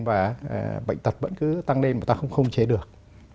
và bệnh tật vẫn cứ tăng lên mà ta không chế được